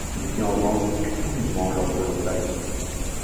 Il était en vente exclusivement lors de leurs lives.